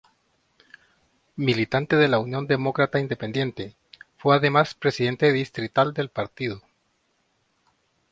Militante de la Unión Demócrata Independiente, fue además presidente distrital del partido.